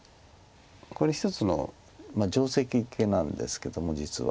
これ一つの定石形なんですけども実は。